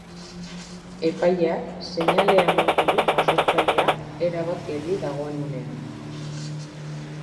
Epaileak, seinalea emango du jasotzailea, erabat geldi dagoen unean.